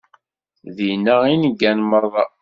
Dinna i neggan meṛṛa.